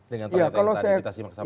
dengan pernyataan tadi kita simak sama kamu